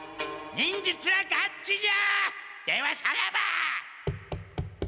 忍術はガッツじゃ！